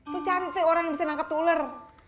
lu cari sih orang yang bisa nangkep tuh ular